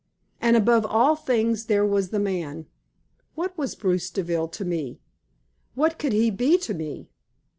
And above all things there was the man. What was Bruce Deville to me? What could he be to me?